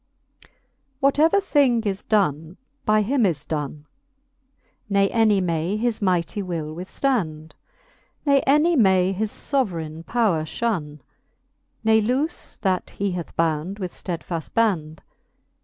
Whatever thing Is donne, by him is donne, Ne any may his mighty will withftand 5 Ne any may his foveraine power Ihonne, Ne loofe that he hath bound with ftedfaft band.